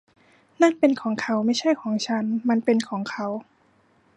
นั่นเป็นของเขา ไม่ใช่ของฉัน มันเป็นของเขา